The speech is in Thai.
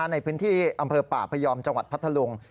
ในพื้นที่อำเภอป่าพยอมจังหวัดพัทธลุง